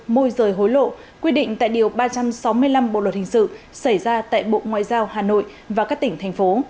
môi rời hối lộ quy định tại điều ba trăm sáu mươi năm bộ luật hình sự xảy ra tại bộ ngoại giao hà nội và các tỉnh thành phố